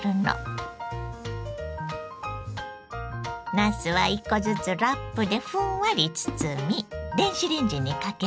なすは１個ずつラップでふんわり包み電子レンジにかけます。